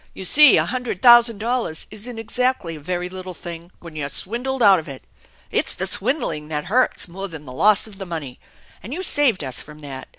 You see a hundred thousand dollars isn't exactly a very little thing when you're swindled out of it. It's the swindling that hurts more than the loss of the money. And you saved us from that.